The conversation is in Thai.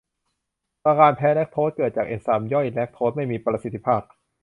อาการแพ้แลคโทสเกิดจากเอนไซม์ย่อยแลคโทสไม่มีประสิทธิภาพ